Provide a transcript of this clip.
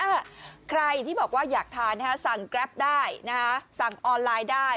อ้าวใครที่บอกว่าอยากทานนะคะลงกลับได้นะคะสั่งออนไลน์ได้